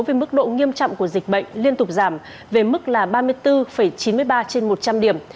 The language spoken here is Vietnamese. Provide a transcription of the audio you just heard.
với mức độ nghiêm trọng của dịch bệnh liên tục giảm về mức là ba mươi bốn chín mươi ba trên một trăm linh điểm